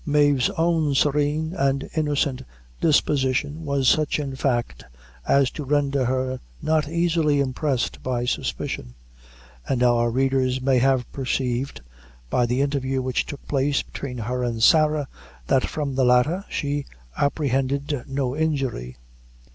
Mave's own serene and innocent disposition was such in fact as to render her not easily impressed by suspicion; and our readers may have perceived, by the interview which took place between her and Sarah, that from the latter, she apprehended no injury.